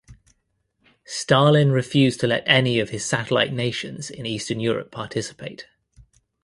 Stalin refused to let any of his satellite nations in Eastern Europe participate.